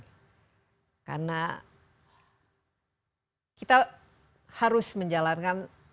hanya satu maksudnya ar celaya harus selalu lindungi dari keerditaran kita harus sehingga ayo kuat tornaya dan keamanan muchalang